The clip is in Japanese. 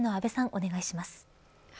お願いします。